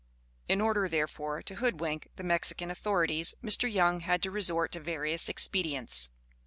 In order, therefore, to hoodwink the Mexican authorities, Mr. Young had to resort to various expedients.